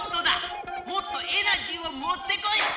もっとエナジーをもってこい！